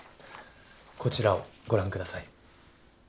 こちらをご覧ください。